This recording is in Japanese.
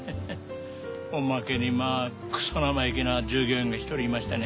おまけにまあクソ生意気な従業員が１人いましてね。